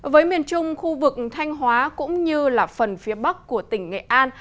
với miền trung khu vực thanh hóa cũng như phần phía bắc của tỉnh nghệ an